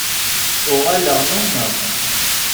Uɣaleɣ nnumeɣ-t.